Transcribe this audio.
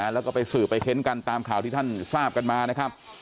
แล้วก็ไปสืบไปเค้นกันตามข่าวที่ท่านทราบกันมานะครับ